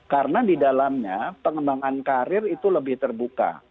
karena di dalamnya pengembangan karir itu lebih terbuka